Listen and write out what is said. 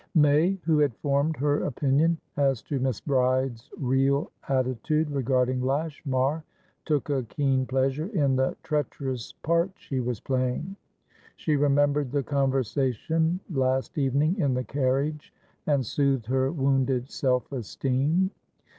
May, who had formed her opinion as to Miss Bride's real attitude regarding Lashmar, took a keen pleasure in the treacherous part she was playing; she remembered the conversation last evening in the carriage, and soothed her wounded self esteem.